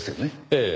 ええ。